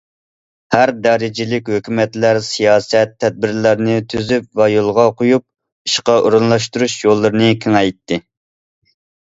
ھەر دەرىجىلىك ھۆكۈمەتلەر سىياسەت، تەدبىرلەرنى تۈزۈپ ۋە يولغا قويۇپ، ئىشقا ئورۇنلاشتۇرۇش يوللىرىنى كېڭەيتتى.